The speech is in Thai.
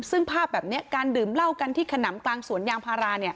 ซึ่งภาพแบบนี้การดื่มเหล้ากันที่ขนำกลางสวนยางพารา